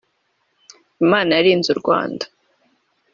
Imana yarinze u Rwanda